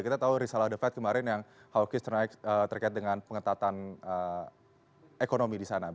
kita tahu risalah the fed kemarin yang hawkish terkait dengan pengetatan ekonomi di sana